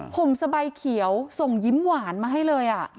ผมสบายเขียวส่งยิ้มหวานมาให้เลย